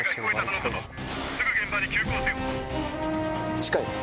近い。